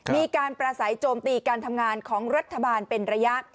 มีการประสัยโจมตีการทำงานของรัฐบาลเป็นระยะ